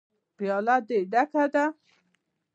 _پياله دې ډکه ده.